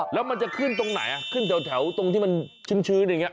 แล้วมันจะขึ้นตรงไหนขึ้นแถวตรงที่มันชื้นอย่างนี้